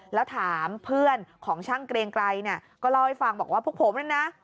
แล้วถามเพื่อนของช่างเกรงไกรเนี่ยก็เล่าให้ฟังบอกว่าพวกผมนะ